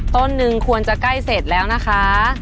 ต้นหนึ่งควรจะใกล้เสร็จแล้วนะคะ